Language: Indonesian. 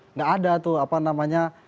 nggak ada tuh apa namanya